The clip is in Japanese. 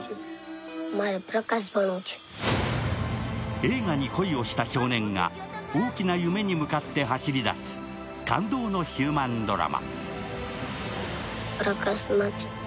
映画に恋をした少年が大きな夢に向かって走り出す感動のヒューマンドラマ。